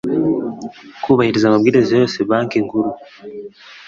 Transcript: kubahiriza amabwiriza yose banki nkuru